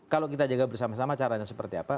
kalau kita jaga bersama sama caranya seperti apa